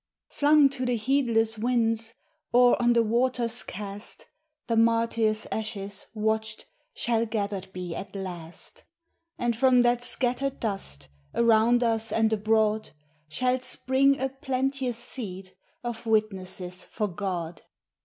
Flung to the heedless winds, Or on the waters cast, The martyrs' ashes, watched, Shall gathered be at last ; And from that scattered dust, Around us and abroad, Shall spring a plenteous seed Of witnesses for God.